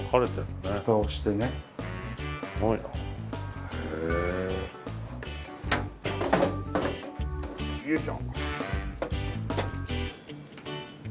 よいしょ。